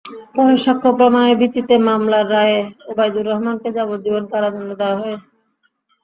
পরে সাক্ষ্য প্রমাণের ভিত্তিতে মামলার রায়ে ওবাইদুর রহমানকে যাবজ্জীবন কারাদণ্ড দেওয়া হয়।